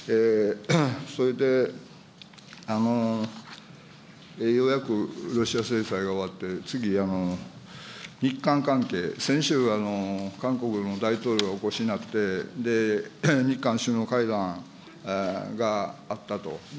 それで、ようやくロシア制裁が終わって、次、日韓関係、先週、韓国の大統領、お越しになって、日韓首脳会談があったと。